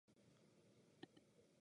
あふぁふぁ